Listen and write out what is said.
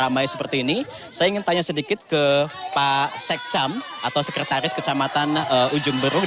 ramai seperti ini saya ingin tanya sedikit ke pak sek cam atau sekretaris kecamatan ujung berung